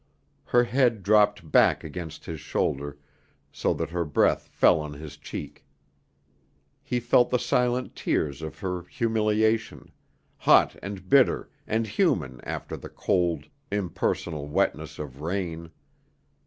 Her head dropped back against his shoulder so that her breath fell on his cheek. He felt the silent tears of her humiliation, hot and bitter and human after the cold, impersonal wetness of rain.